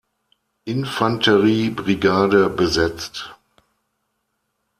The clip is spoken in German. Infanterie-Brigade besetzt.